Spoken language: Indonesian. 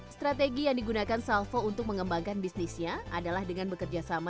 strategi yang digunakan salvo untuk mengembangkan bisnisnya adalah dengan bekerja sama